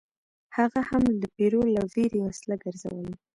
هغه هم د پیرو له ویرې وسله ګرځوله.